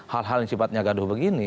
hal hal yang sifatnya gaduh begini